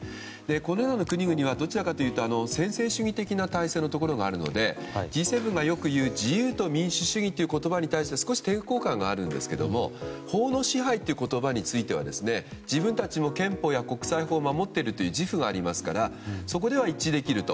このような国々はどちらかというと専制主義的なところがあるのでＧ７がよく言う自由と民主主義という言葉に対して少し抵抗感があるんですが法の支配という言葉については自分たちも憲法や国際法を守っているという自負がありますからそこでは一致できると。